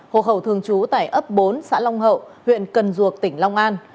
hộ khẩu thường trú tại ấp bốn xã long hậu huyện cần duộc tỉnh long an